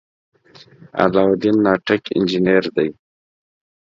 علاالدین ناټک انجنیر دی.